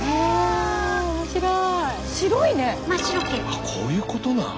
あっこういうことなん？